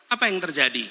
apa yang terjadi